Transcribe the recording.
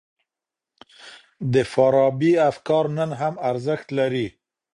د فارابي افکار نن هم ارزښت لري.